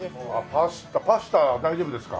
パスタパスタは大丈夫ですか？